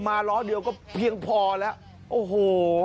ล้อเดียวก็เพียงพอแล้วโอ้โห